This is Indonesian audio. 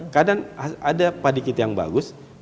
kadang ada padi kita yang bagus